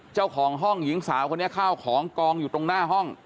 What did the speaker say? เจ้าของห้องหญิงสาวคนนี้ข้าวของกองอยู่ตรงหน้าห้อง